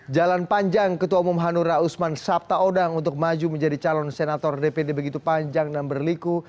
jalan panjang ketua umum hanura usman sabtaodang untuk maju menjadi calon senator dpd begitu panjang dan berliku